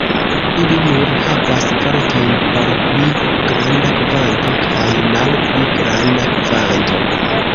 Ili nur havas vortojn por "pli granda kvanto" kaj "malpli granda kvanto".